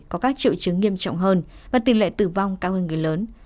có các triệu chứng nghiêm trọng hơn và tỷ lệ tử vong cao hơn người lớn